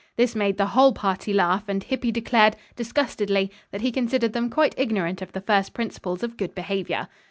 This made the whole party laugh, and Hippy declared, disgustedly, that he considered them quite ignorant of the first principles of good behavior.